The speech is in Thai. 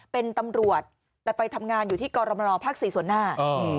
เป็นตำรวจแต่ไปทำงานอยู่ที่กรมนภ๔ส่วนหน้า